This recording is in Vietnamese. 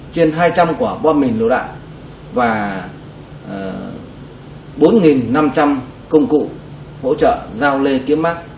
trên hai trăm linh quả bom mình liều đạn và bốn năm trăm linh công cụ hỗ trợ giao lê kiếm mắc